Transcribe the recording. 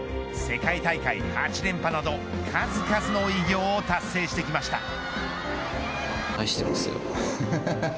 世界大会８連覇など数々の偉業を達成してきました。